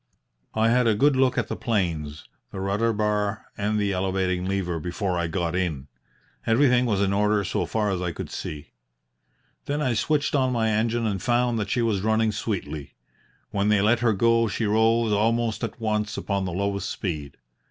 "I had a good look at the planes, the rudder bar, and the elevating lever before I got in. Everything was in order so far as I could see. Then I switched on my engine and found that she was running sweetly. When they let her go she rose almost at once upon the lowest speed.